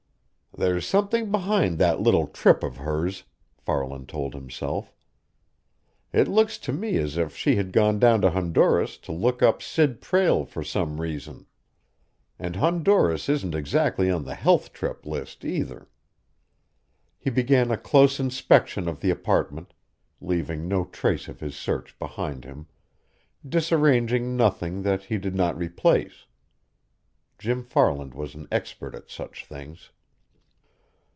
"There's something behind that little trip of hers," Farland told himself. "It looks to me as if she had gone down to Honduras to look up Sid Prale for some reason. And Honduras isn't exactly on the health trip list, either." He began a close inspection of the apartment, leaving no trace of his search behind him, disarranging nothing that he did not replace. Jim Farland was an expert at such things.